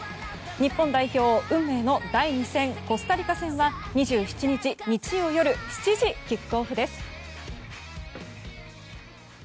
日本代表、運命の第２戦コスタリカ戦は２７日日曜夜７時キックオフです。